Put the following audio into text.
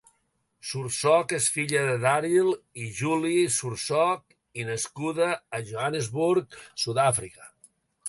Sursok és filla de Daryl i Julie Sursok i nascuda a Johannesburg, Sud-àfrica.